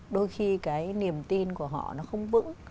đôi khi cái niềm tin của họ nó không vững